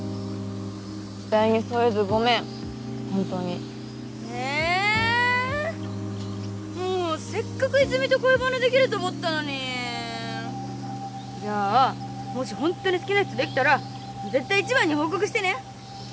期待に沿えずごめんホントにえもうせっかく泉と恋バナできると思ったのにじゃあもしホントに好きな人できたら絶対一番に報告してね！